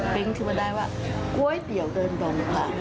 เป็นชื่อมาได้ว่าก๋วยเตี๋ยวเดินดมค่ะ